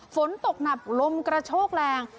ฝนตกหนักลมกระโชกแรง